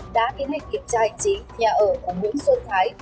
đã tiến hành kiểm tra hành chính nhà ở của nguyễn xuân thái